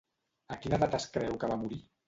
A quina edat es creu que va morir?